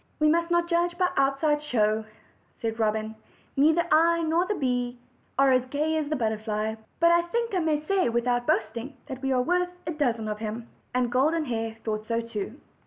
"We must not judge by outside show," said Robin. "Neither I nor the bee are as gay as the butterfly, but I think I may say, without boasting, that we are worth a dozen of him." And Golden Hair thought so too.